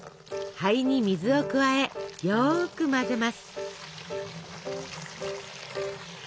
灰に水を加えよく混ぜます。